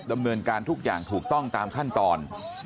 ดำเนินการทุกอย่างถูกต้องตามขั้นตอน